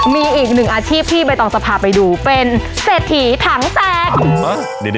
มีอีกหนึ่งอาชีพที่ใบตองจะพาไปดูเป็นเศรษฐีถังแตก